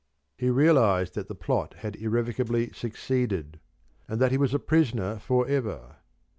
He realized that the plot had irrevocably succeeded: and that he was a prisoner for ever.